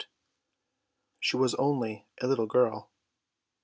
She was only a little girl.